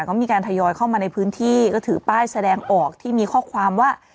ก็มีการทยอยเข้ามาในพื้นที่ก็ถือป้ายแสดงออกที่มีข้อความว่า